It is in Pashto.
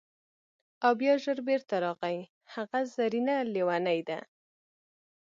او بیا ژر بیرته راغی: هغه زرینه لیونۍ ده!